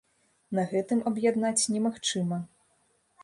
На гэтым аб'яднаць немагчыма.